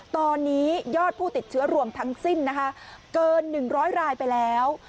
ตอนนี้ยอดผู้ติดเชื้อรวมทั้งสิ้นนะคะเกิน๑๐๐รายไปแล้ว